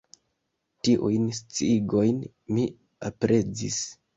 Tiujn sciigojn mi aprezis.